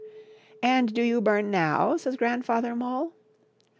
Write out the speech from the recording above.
" And do you bum now ?" says Grandfather Mole.